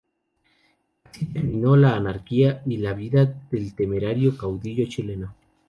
Así terminó la anarquía y la vida del temerario caudillo chileno.